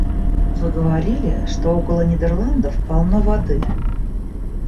Вы говорили, что около Нидерландов полно воды.